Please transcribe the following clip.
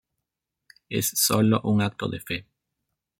Es sólo un acto de fe.